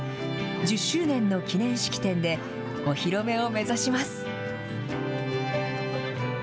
１０周年の記念式典でお披露目を目指します。